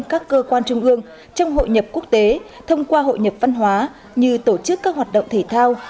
các cơ quan trung ương trong hội nhập quốc tế thông qua hội nhập văn hóa như tổ chức các hoạt động thể thao